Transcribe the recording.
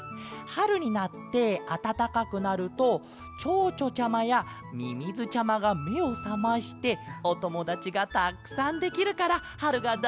はるになってあたたかくなるとチョウチョちゃまやミミズちゃまがめをさましておともだちがたくさんできるからはるがだいすきなんだケロ！